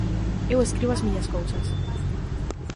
Eu escribo as miñas cousas.